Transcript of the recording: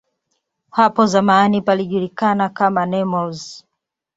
Hapo zamani palijulikana kama "Nemours".